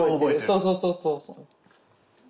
そうそうそうそう。